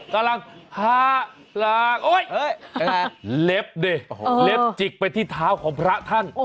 กำลังพะลากเร็บจิกไปที่เท้าของพระท่าน